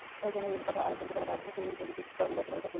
একজনের কথা আর একজনকে বলা বা গুজোগুজি, পরনিন্দা একেবারেই ত্যাগ করিবে।